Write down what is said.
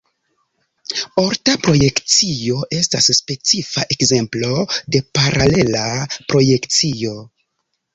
Orta projekcio estas specifa ekzemplo de paralela projekcio.